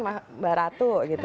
mbak ratu gitu